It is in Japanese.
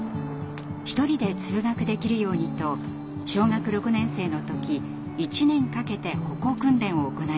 一人で通学できるようにと小学６年生の時１年かけて歩行訓練を行いました。